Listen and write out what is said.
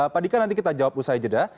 pak dika nanti kita jawab usai jeda